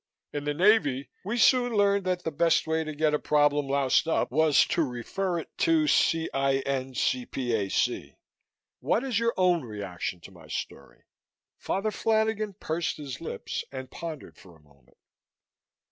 In the Navy, we soon learned that the best way to get a problem loused up was to refer it to CINCPAC. What is your own reaction to my story?" Father Flanagan pursed his lips and pondered for a moment.